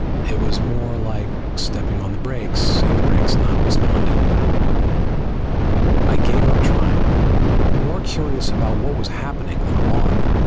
It was more like stepping on the brakes and the brakes not responding. I gave up trying, more curious about what was happening than alarmed.